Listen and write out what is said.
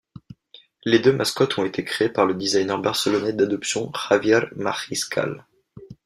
Les deux mascottes ont été crées par le designer barcelonais d'adoption Javier Mariscal.